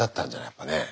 やっぱね。